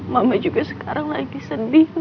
mama juga sekarang lagi sedih